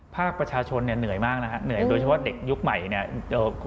ภาคประชาชนเนี่ยเหนื่อยมากนะฮะเหนื่อยโดยเฉพาะเด็กยุคใหม่เนี่ย